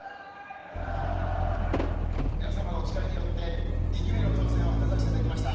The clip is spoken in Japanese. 皆様のお力によって２期目の当選を果たさせていただきました。